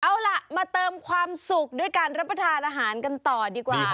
เอาล่ะมาเติมความสุขด้วยการรับประทานอาหารกันต่อดีกว่า